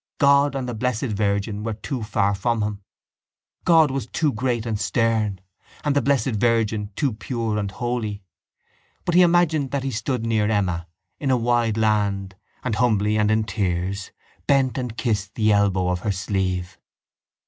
God and the Blessed Virgin were too far from him: God was too great and stern and the Blessed Virgin too pure and holy. But he imagined that he stood near Emma in a wide land and, humbly and in tears, bent and kissed the elbow of her sleeve.